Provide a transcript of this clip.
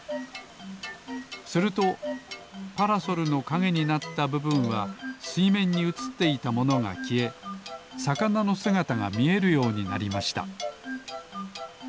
するとパラソルのかげになったぶぶんはすいめんにうつっていたものがきえさかなのすがたがみえるようになりました